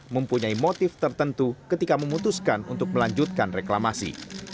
mempunyai motif tertentu ketika memutuskan untuk melanjutkan reklamasi